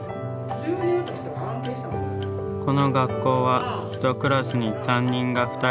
この学校は１クラスに担任が２人。